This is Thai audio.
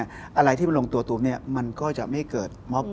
อะไรที่มันลงตัวมันก็จะไม่เกิดม็อก